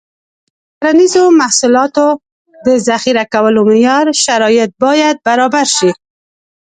د کرنیزو محصولاتو د ذخیره کولو معیاري شرایط باید برابر شي.